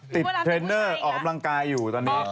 เทรนเนอร์ออกกำลังกายอยู่ตอนนี้